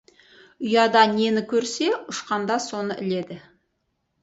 ұяда нені көрсе, ұшқанда соны іледі.